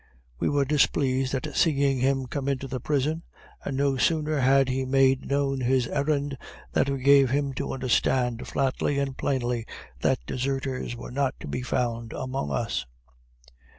We were displeased at seeing him come into the prison, and no sooner had he made known his errand, than we gave him to understand flatly and plainly that deserters were not to be found among us.